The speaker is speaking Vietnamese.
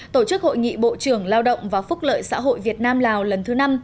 tổ chức hội nghị bộ trưởng lao động và phúc lợi xã hội việt nam lào lần thứ năm